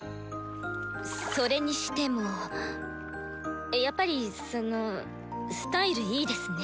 それにしてもやっぱりそのスタイルいいですね。